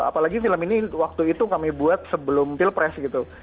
apalagi film ini waktu itu kami buat sebelum pilpres gitu